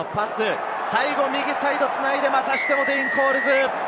最後、右サイド繋いで、またしてもデイン・コールズ。